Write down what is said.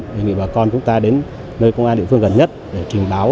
đề nghị bà con chúng ta đến nơi công an địa phương gần nhất để trình báo